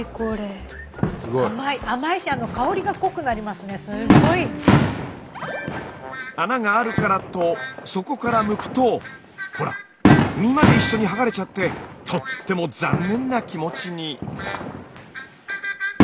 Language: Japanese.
すごい。穴があるからとそこからむくとほら実まで一緒に剥がれちゃってとっても残念な気持ちに。